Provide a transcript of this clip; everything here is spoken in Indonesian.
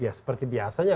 ya seperti biasanya